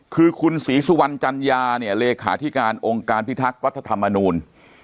คือคุณศรีสุวรรณจัญญาเนี่ยเลขาธิการองค์การพิทักษ์รัฐธรรมนูล